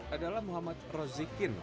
adalah muhammad rozikin